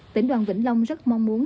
tỉnh đoàn vĩnh long rất mong muốn